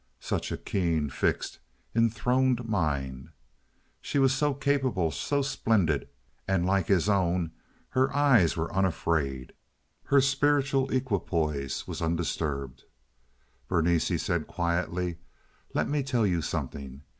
Such a keen, fixed, enthroned mind. She was so capable, so splendid, and, like his own, her eyes were unafraid. Her spiritual equipoise was undisturbed. "Berenice," he said, quietly, "let me tell you something.